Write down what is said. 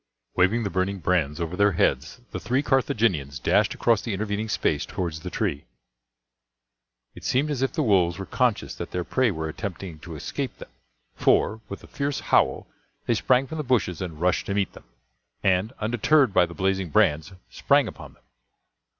Waving the burning brands over their heads, the three Carthaginians dashed across the intervening space towards the tree. It seemed as if the wolves were conscious that their prey were attempting to escape them; for, with a fierce howl, they sprang from the bushes and rushed to meet them; and, undeterred by the blazing brands, sprang upon them.